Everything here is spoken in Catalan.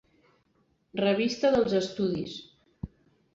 Revista dels Estudis.